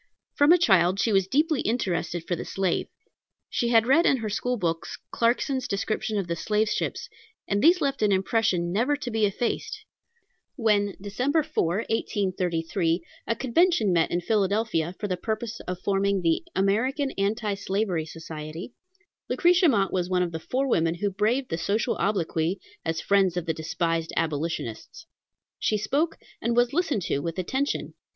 From a child she was deeply interested for the slave. She had read in her school books Clarkson's description of the slave ships, and these left an impression never to be effaced. When, Dec. 4, 1833, a convention met in Philadelphia for the purpose of forming the American Anti Slavery Society, Lucretia Mott was one of the four women who braved the social obloquy, as friends of the despised abolitionists. She spoke, and was listened to with attention.